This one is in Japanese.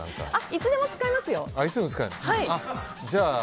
いつでも使えますよ。